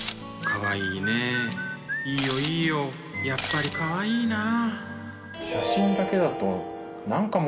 やっぱりかわいいなあ。